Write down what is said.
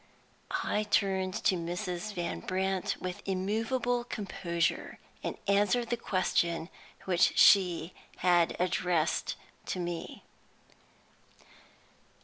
I turned to Mrs. Van Brandt with immovable composure, and answered the question which she had addressed to me.